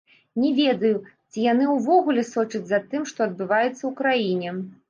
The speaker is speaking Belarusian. Не ведаю, ці яны ўвогуле сочаць за тым, што адбываецца ў краіне.